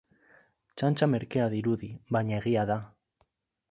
Txantxa merkea dirudi, baina egia da.